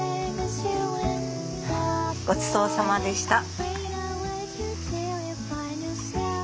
ごちそうさまでした。